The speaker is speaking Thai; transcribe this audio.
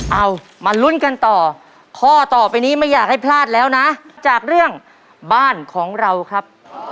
เอามาลุ้นกันต่อข้อต่อไปนี้ไม่อยากให้พลาดแล้วนะจากเรื่องบ้านของเราครับ